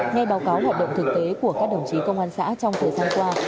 nghe báo cáo hoạt động thực tế của các đồng chí công an xã trong thời gian qua